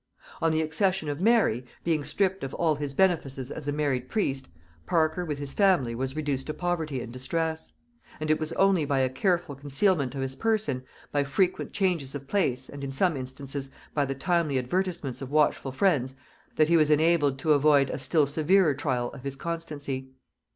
On the accession of Mary, being stripped of all his benefices as a married priest, Parker with his family was reduced to poverty and distress; and it was only by a careful concealment of his person, by frequent changes of place, and in some instances by the timely advertisements of watchful friends, that he was enabled to avoid a still severer trial of his constancy.